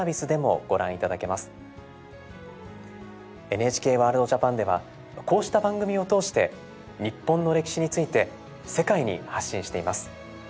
「ＮＨＫワールドＪＡＰＡＮ」ではこうした番組を通して日本の歴史について世界に発信しています。